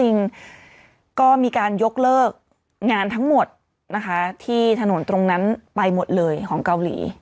จริงก็มีการยกเลิกงานทั้งหมดนะคะที่ถนนตรงนั้นไปหมดเลยของเกาหลี